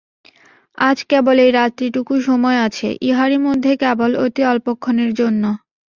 আজ কেবল এই রাত্রিটুকুমাত্র সময় আছে–ইহারই মধ্যে কেবল অতি অল্পক্ষণের জন্য।